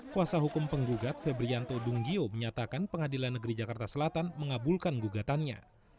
kuasa hukum penggugat febrianto dunggio menyatakan pengadilan negeri jakarta selatan mengabulkan gugatannya